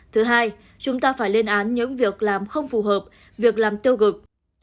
thứ hai chúng ta phải lên án những việc làm không phù hợp việc làm tiêu cực